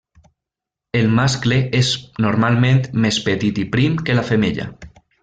El mascle és normalment més petit i prim que la femella.